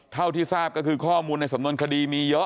เท่าที่ทราบก็คือข้อมูลในสำนวนคดีมีเยอะ